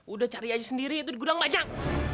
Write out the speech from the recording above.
udah cari aja sendiri itu di gudang pajak